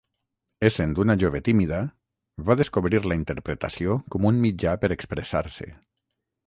Essent una jove tímida, va descobrir la interpretació com un mitjà per expressar-se.